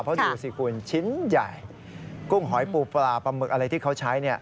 เพราะดูสิคุณชิ้นใหญ่กุ้งหอยปูปลาปลาหมึกอะไรที่เขาใช้